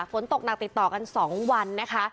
ฝนตกหนักติดต่อกัน๒วันนะคะ